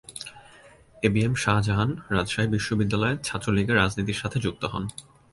এ B M Shahjahan Rajshahi বিশ্ববিদ্যালয়ে ছাত্রলীগের রাজনীতির সাথে যুক্ত হন।